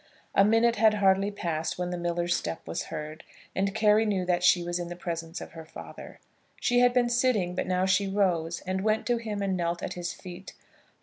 A minute had hardly passed when the miller's step was heard, and Carry knew that she was in the presence of her father. She had been sitting, but now she rose, and went to him and knelt at his feet.